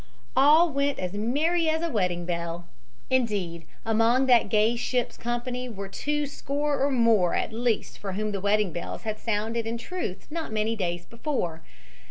All went as merry as a wedding bell. Indeed, among that gay ship's company were two score or more at least for whom the wedding bells had sounded in truth not many days before.